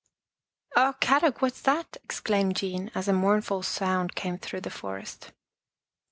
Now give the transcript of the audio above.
" Oh, Kadok, what's that? " exclaimed Jean, as a mournful sound came through the forest.